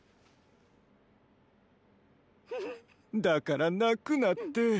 だから泣くなって。